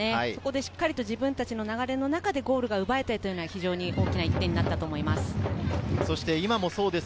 しっかり自分たちの流れの中でゴールが奪えたのは非常に大きな１点になったと思います。